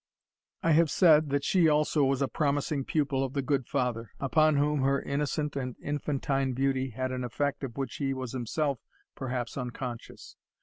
I have said, that she also was a promising pupil of the good father, upon whom her innocent and infantine beauty had an effect of which he was himself, perhaps, unconscious.